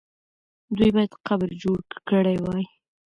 دوی باید قبر جوړ کړی وای.